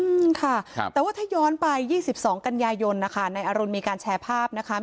อืมค่ะแต่ว่าถ้าย้อนไป๒๒กัญญายนนะคะในอรุณมีการแชร์ภาพนะคะ